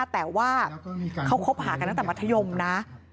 แต่ว่าเขาคบหากันตั้งแต่มัธยมนะ